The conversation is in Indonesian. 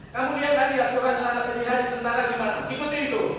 kamu lihat kan di akuran telah terjadi di tentara gimana ikuti itu